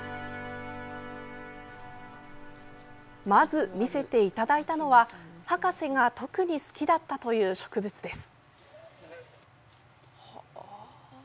まず見せていただいたのは博士が特に好きだったという植物です。